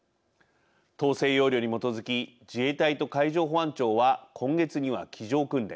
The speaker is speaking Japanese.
統制要領に基づき自衛隊と海上保安庁は今月には机上訓練